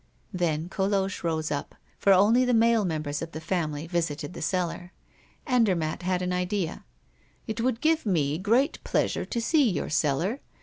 Then, Colosse rose up; for only the male members of the family visited the cellar. Andermatt had an idea. "It would give me great pleasure to see your cellar.